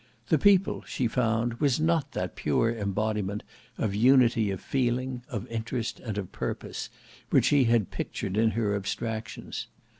The People she found was not that pure embodiment of unity of feeling, of interest, and of purpose, which she had pictured in her abstractions.